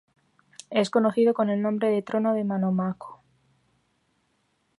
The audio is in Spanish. Es conocido con el nombre de ""Trono de Monómaco"".